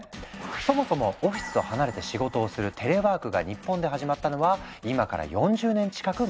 そもそもオフィスと離れて仕事をするテレワークが日本で始まったのは今から４０年近く前。